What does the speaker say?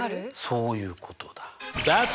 そういうことだ。